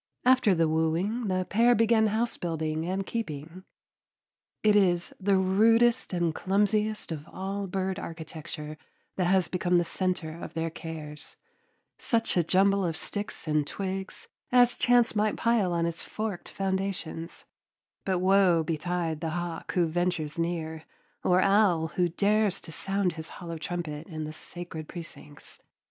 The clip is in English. After the wooing the pair begin house building and keeping. It is the rudest and clumsiest of all bird architecture that has become the centre of their cares such a jumble of sticks and twigs as chance might pile on its forked foundations; but woe betide the hawk who ventures near, or owl who dares to sound his hollow trumpet in the sacred precincts.